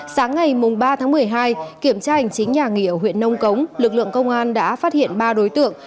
sáng ngày ba tháng một mươi hai kiểm tra hành chính nhà nghị ở huyện nông cống lực lượng công an đã phát hiện ba đối tượng